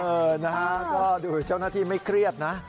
เออนะฮะก็ดูเจ้าหน้าที่ไม่เครียดนะ